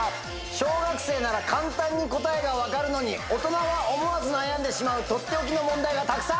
小学生なら簡単に答えが分かるのに大人は思わず悩んでしまうとっておきの問題がたくさん。